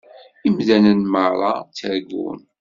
Imdanen meṛṛa ttargun.